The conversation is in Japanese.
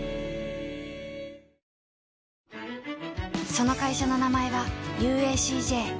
その会社の名前は ＵＡＣＪ